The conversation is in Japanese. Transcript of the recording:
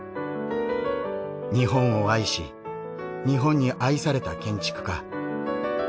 日本を愛し日本に愛された建築家。